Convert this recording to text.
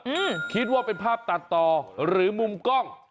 อืมคิดว่าเป็นภาพตัดต่อหรือมุมกล้อง